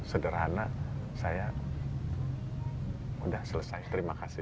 sederhana saya sudah selesai terima kasih